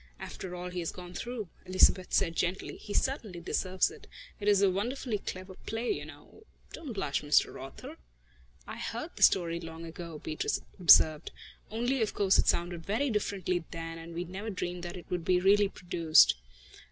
"After all he has gone through," Elizabeth said gently, "he certainly deserves it. It is a wonderfully clever play, you know ... don't blush, Mr. Author!" "I heard the story long ago," Beatrice observed, "only of course it sounded very differently then, and we never dreamed that it would really be produced."